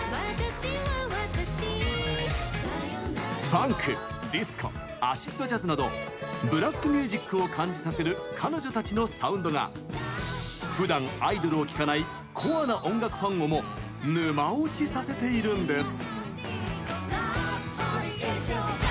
ファンク、ディスコアシッドジャズなどブラックミュージックを感じさせる彼女たちのサウンドがふだんアイドルを聴かないコアな音楽ファンをも沼落ちさせているんです。